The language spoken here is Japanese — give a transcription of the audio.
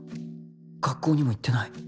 学校にも行ってない。